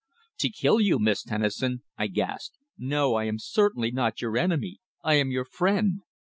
"To kill you, Miss Tennison!" I gasped. "No, I am certainly not your enemy. I am your friend!"